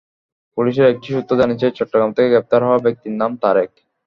পুলিশের একটি সূত্র জানিয়েছে, চট্টগ্রাম থেকে গ্রেপ্তার হওয়া ব্যক্তির নাম তারেক।